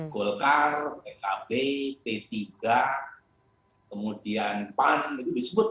golkar pkb p tiga kemudian pan itu disebut